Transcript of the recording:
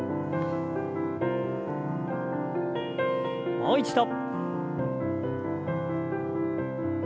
もう一度。